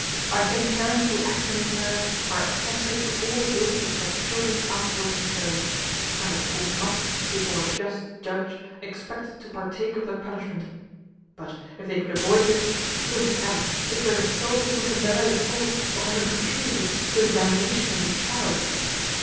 I think parents who act in this manner are accessories to all the guilt which their children afterwards incur, and of course must, before a just judge, expect to partake of their punishment; but if they could avoid this, good heaven! is there a soul who can bear the thought of having contributed to the damnation of his child?